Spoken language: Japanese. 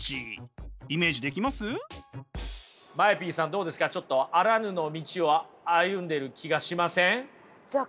どうですかちょっとあらぬの道を歩んでる気がしません？